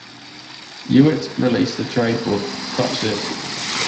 Hewitt released the trade book: Touch This!